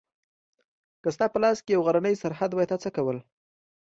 که ستا په لاس کې یو غرنی سرحد وای تا څه کول؟